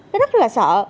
nó rất là sợ